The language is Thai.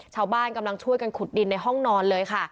ชาวบ้านกำลังช่วยกันขุดดินในห้องนอนเลยค่ะ